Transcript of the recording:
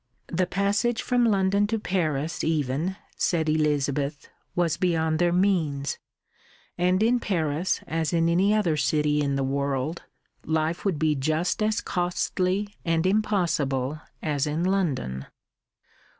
The passage from London to Paris even, said Elizabeth, was beyond their means; and in Paris, as in any other city in the world, life would be just as costly and impossible as in London.